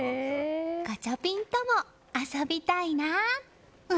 ガチャピンとも遊びたいな。